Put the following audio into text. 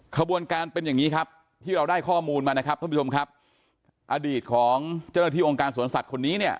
ขบวนการเป็นอย่างนี้ครับที่เราได้ข้อมูลมานะครับท่านผู้ชมครับอดีตของเจ้าหน้าที่องค์การสวนสัตว์คนนี้เนี่ย